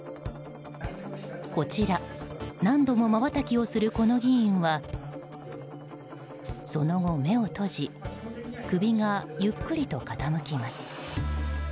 こちら何度もまばたきをするこの議員はその後、目を閉じ首がゆっくりと傾きます。